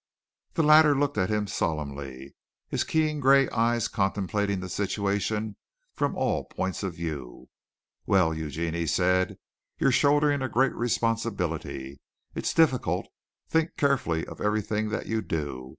The latter looked at him solemnly, his keen gray eyes contemplating the situation from all points of view. "Well, Eugene," he said, "you're shouldering a great responsibility. It's difficult. Think carefully of everything that you do.